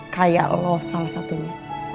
kayak lo salah satunya